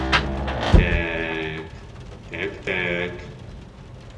— Тә-әк, тәк-тәк...